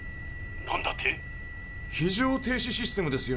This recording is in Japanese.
なんだって⁉非常停止システムですよ。